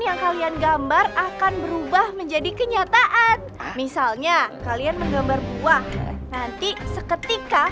yang kalian gambar akan berubah menjadi kenyataan misalnya kalian menggambar buah nanti seketika